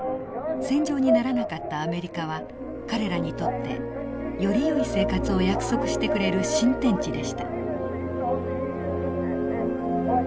戦場にならなかったアメリカは彼らにとってよりよい生活を約束してくれる新天地でした。